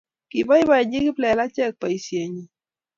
kiboiboichi kiplelachek boishenyi